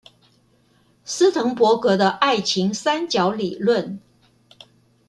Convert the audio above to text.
斯騰伯格的愛情三角理論